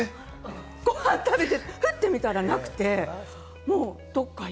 ご飯食べて、ふっと見たらなくて、もうどっかに。